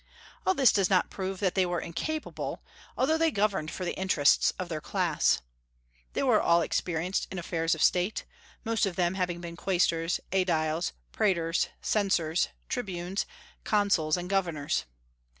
All this does not prove that they were incapable, although they governed for the interests of their class. They were all experienced in affairs of State, most of them had been quaestors, aediles, praetors, censors, tribunes, consuls, and governors.